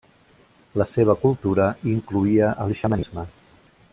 La seva cultura incloïa el xamanisme.